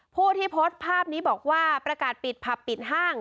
ผู้ที่โพสต์ภาพนี้บอกว่าประกาศปิดผับปิดห้าง